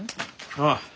ああ。